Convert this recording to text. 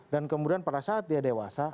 dan kemudian pada saat dia dewasa